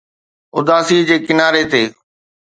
اداسي جي ڪناري تي